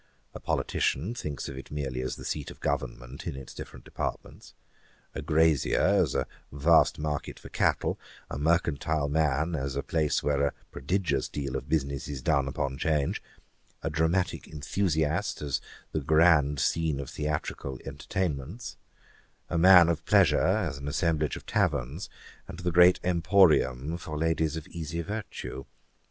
A politician thinks of it merely as the seat of government in its different departments; a grazier, as a vast market for cattle; a mercantile man, as a place where a prodigious deal of business is done upon 'Change; a dramatick enthusiast, as the grand scene of theatrical entertainments; a man of pleasure, as an assemblage of taverns, and the great emporium for ladies of easy virtue.